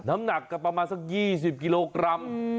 น้ำหนักก็ประมาณสัก๒๐กิโลกรัม